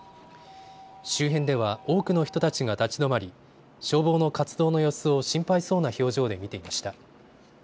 周辺では多くの人たちが立ち止まり消防の活動の様子を心配そうな表情で見ていました。